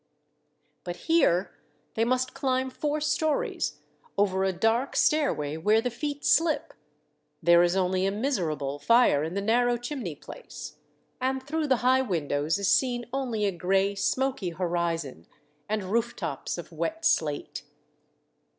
But here, they must climb four stories, over a dark stair Country Folk in Paris. 91 way where the feet slip ; there is only a miserable fire in the narrow chimney place, and through the high windows is seen only a gray, smoky horizon, and roof tops of wet slate.